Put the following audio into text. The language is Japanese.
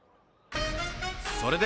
それでは。